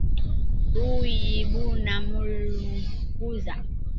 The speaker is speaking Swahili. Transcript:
Buyi buna mulunguza